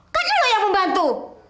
kan lu yang pembantu